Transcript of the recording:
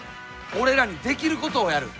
俺らにできることをやる。